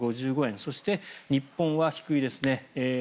そして、日本は低いですね。